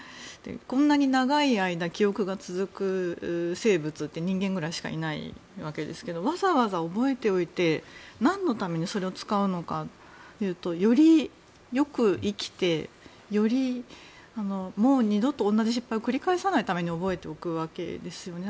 こんなに長い間記憶が続く生物って人間ぐらいしかいないわけですがわざわざ覚えておいて何のためにそれを使うのかというとより良く生きて二度と同じ失敗を繰り返さないために覚えておくわけですよね。